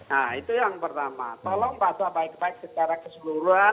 nah itu yang pertama tolong bahasa baik baik secara keseluruhan